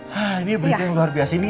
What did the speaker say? hah ini berita yang luar biasa ini